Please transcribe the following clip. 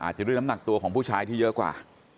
จะด้วยน้ำหนักตัวของผู้ชายที่เยอะกว่า